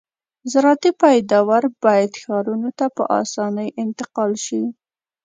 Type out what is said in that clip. زراعتي پیداوار باید ښارونو ته په اسانۍ انتقال شي